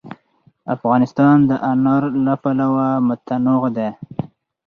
افغانستان د انار له پلوه متنوع دی.